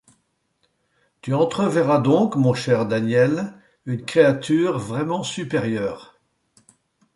Tu entreverras donc, mon cher Daniel, une créature vraiment supérieure.